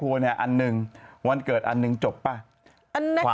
อันนิเวอร์เซอรี่อันหนึ่งวันเกิดอันหนึ่งเคยปะจบปะ